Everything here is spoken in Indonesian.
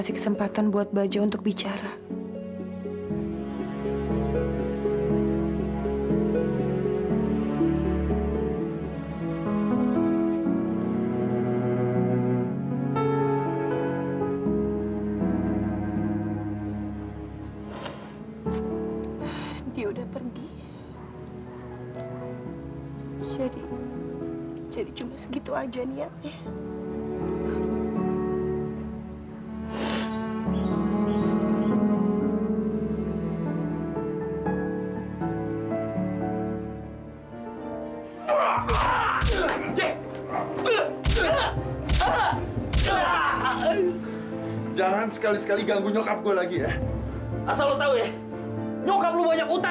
sampai jumpa di video selanjutnya